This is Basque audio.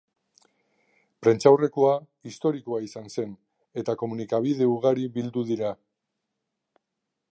Prentsaurrekoa historikoa izan zen eta komunikabide ugari bildu dira.